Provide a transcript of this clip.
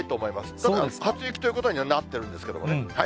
ただ初雪ということにはなってるんですけどね。